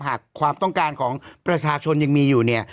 หากความต้องการของประชาชนยังมีอยู่เนี่ย